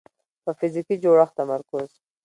په فزیکي جوړښت تمرکز